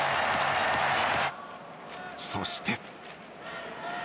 そして。